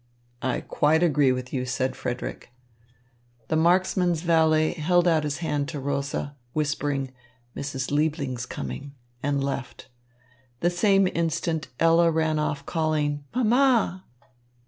"I quite agree with you," said Frederick. The marksman's valet held out his hand to Rosa, whispered "Mrs. Liebling's coming," and left. The same instant Ella ran off calling, "Mamma."